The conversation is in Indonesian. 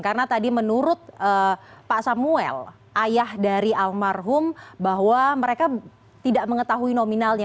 karena tadi menurut pak samuel ayah dari almarhum bahwa mereka tidak mengetahui nominalnya